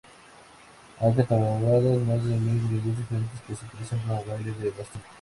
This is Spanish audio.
Hay catalogadas más de mil melodías diferentes que se utilizan como baile de bastones.